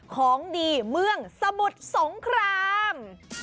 ของดีเมืองสมุทรสงคราม